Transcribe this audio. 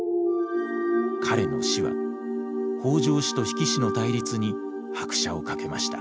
彼の死は北条氏と比企氏の対立に拍車をかけました。